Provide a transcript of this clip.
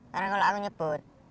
karena kalau aku nyebut